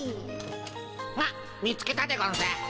あっ見つけたでゴンス。